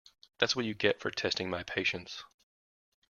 That’s what you get for testing my patience.